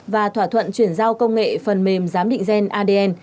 và thỏa thuận chuyển giao công nghệ phần mềm giám định gen adn